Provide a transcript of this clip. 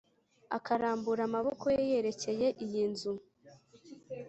akarambura amaboko ye yerekeye iyi nzu